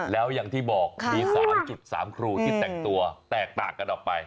แล้วอย่างที่บอกมี๓๓ครูที่แต่งตัวแตกต่างกันออกไป